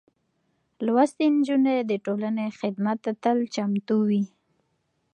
لوستې نجونې د ټولنې خدمت ته تل چمتو وي.